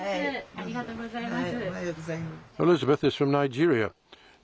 ありがとうございます。